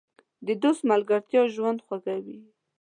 د دوست ملګرتیا ژوند خوږوي.